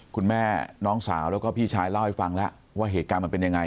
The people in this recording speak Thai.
คุณแม่น้องสาวแล้วก็พี่ชายเล่าให้ฟังแล้วว่าเหตุการณ์มันเป็นยังไง